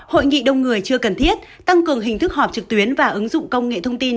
hội nghị đông người chưa cần thiết tăng cường hình thức họp trực tuyến và ứng dụng công nghệ thông tin